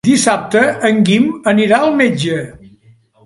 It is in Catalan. Dissabte en Guim anirà al metge.